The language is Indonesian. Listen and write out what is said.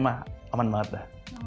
aman banget dah